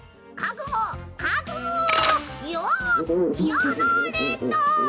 「やられた！」。